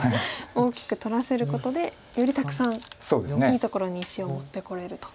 大きく取らせることでよりたくさんいいところに石を持ってこれると。